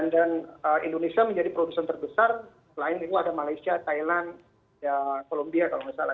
indonesia menjadi produsen terbesar selain itu ada malaysia thailand columbia kalau nggak salah